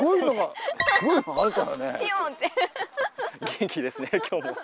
元気ですね今日も。